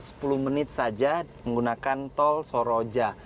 sekitar sepuluh menit saja menggunakan tol soroja